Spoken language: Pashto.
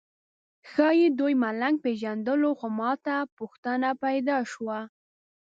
ښایي دوی ملنګ پېژندلو خو ماته پوښتنه پیدا شوه.